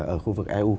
ở khu vực eu